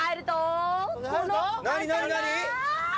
何何何？